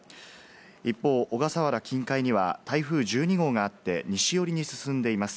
一方、小笠原近海には台風１２号があって西寄りに進んでいます。